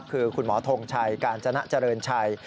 คือคุณหมอทงชัยกาญจนะเจริญชัย